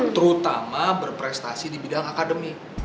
terutama berprestasi di bidang akademi